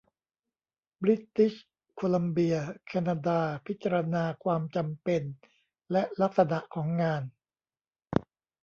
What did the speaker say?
บริติชโคลัมเบีย แคนาดา พิจารณาความจำเป็นและลักษณะของงาน